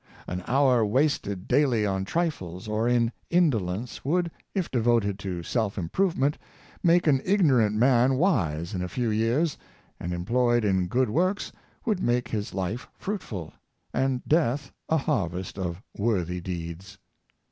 An hour wasted daily on trifles or in indolence would, if devoted to self improvement, make an ignorant man wise in a few years, and, employed in good works, would make his life fruitful, and death a harvest of worthy deeds.